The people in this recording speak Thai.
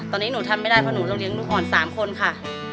ตอนนี้หนูทำไม่ได้เพราะหนูเราเลี้ยลูกอ่อน๓คนค่ะ